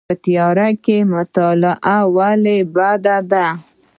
په تیاره کې مطالعه ولې بده ده؟